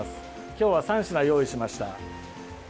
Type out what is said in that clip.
今日は３品用意しました。